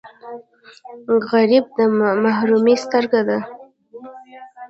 غریب د محرومۍ سترګه ده